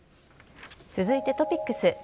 続いてトピックス。